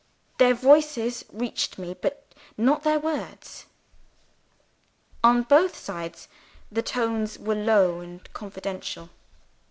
Their voices reached me, but not their words. On both sides, the tones were low and confidential.